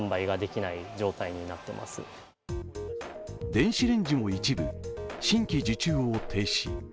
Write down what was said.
電子レンジも一部、新規受注を停止。